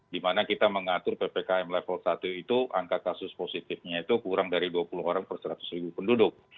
dimana kita mengatur ppkm level satu itu angka kasus positifnya itu kurang dari dua puluh orang per seratus ribu penduduk